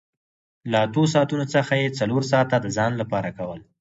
له اتو ساعتونو څخه یې څلور ساعته د ځان لپاره کول